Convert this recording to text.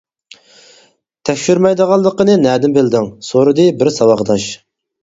-تەكشۈرمەيدىغانلىقىنى نەدىن بىلدىڭ؟ -سورىدى بىر ساۋاقداش.